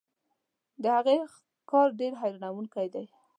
د هغې کار ډېر حیرانوونکی دی.